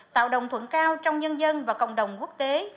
tạo đồng thuận cao trong nhân dân và cộng đồng quốc tế